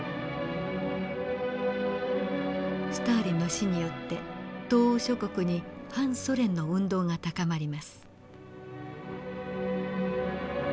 スターリンの死によって東欧諸国に反ソ連の運動が高まります。